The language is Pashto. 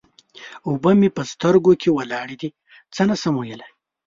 اوبه مې په سترګو کې ولاړې دې؛ څه نه شم ويلای.